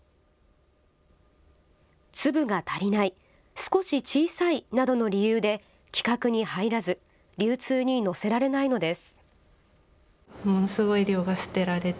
粒が足りない、少し小さいなどの理由で規格に入らず流通に乗せられないのです。